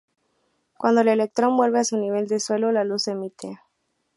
Cuando el electrón vuelve a su nivel del suelo, la luz se emite.